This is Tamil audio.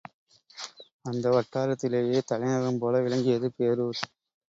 அந்த வட்டாரத்திலேயே தலைநகரம் போல விளங்கியது பேரூர்.